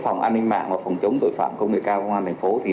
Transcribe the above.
phòng an ninh mạng và phòng chống tội phạm công nghệ cao của công an tp hcm